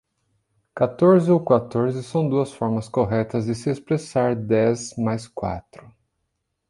Catorze ou quatorze são duas formas corretas de se expressar dez mais quatro